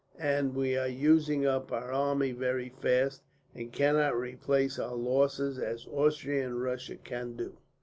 And we are using up our army very fast, and cannot replace our losses as Austria and Russia can do."